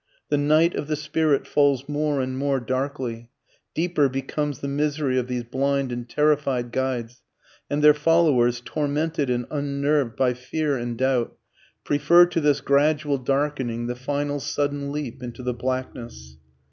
The night of the spirit falls more and more darkly. Deeper becomes the misery of these blind and terrified guides, and their followers, tormented and unnerved by fear and doubt, prefer to this gradual darkening the final sudden leap into the blackness.